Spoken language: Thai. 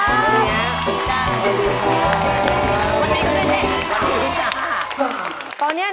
ตอนนี้นะได้เห็นเวลา